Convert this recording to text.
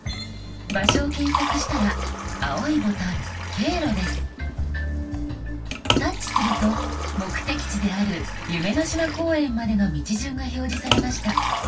場所を検索したら青いボタン「経路」です。タッチすると目的地である夢の島公園までの道順が表示されました。